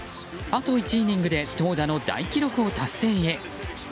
あと１イニングで投打の大記録を達成へ。